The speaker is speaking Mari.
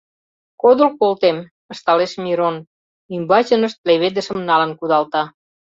— Кодыл колтем, — ышталеш Мирон, ӱмбачынышт леведышым налын кудалта.